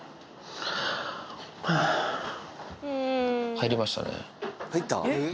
入りましたね。